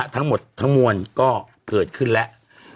ทั้งหมดทั้งมวลก็เกิดขึ้นแล้ว